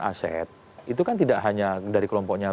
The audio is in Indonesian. aset itu kan tidak hanya dari kelompoknya